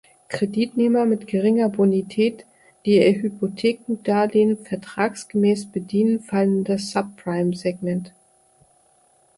Kreditnehmer mit geringer Bonität, die ihr Hypothekendarlehen vertragsgemäß bedienen, fallen in das "Subprime"-Segment.